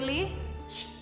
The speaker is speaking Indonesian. ibu apa kabar